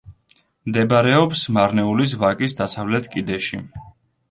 მდებარეობს მარნეულის ვაკის დასავლეთ კიდეში.